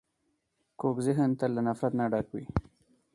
کوږ ذهن تل له نفرت نه ډک وي